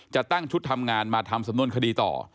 จะตั้งชุดทำงานมาทำสำนวนคดีต่อ